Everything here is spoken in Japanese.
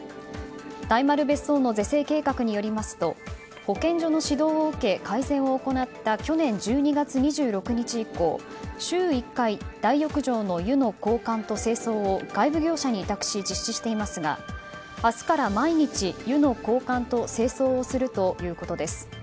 大丸別荘の是正計画によりますと保健所の指導を受け改善を行った去年１２月２６日以降週１回大浴場の湯の交換と清掃を外部業者に委託し実施していますが明日から毎日、湯の交換と清掃をするということです。